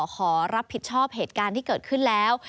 ขอรับผิดชอบเหตุการณ์ที่เกิดขึ้นแล้ว